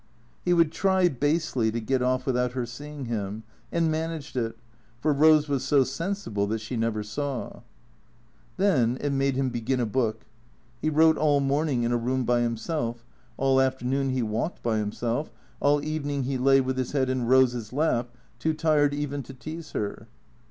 He would try, basely, to get off without her seeing him, and managed it, for Eose was so sensible that she never saw. Tlien it made him begin a bonk. He wrote all morning in a 12G THE C R E A T 0 E S 127 room by himself. All afternoon he walked by himself. Ail evening he lay with his head in Kose's lap, too tired even to tease her.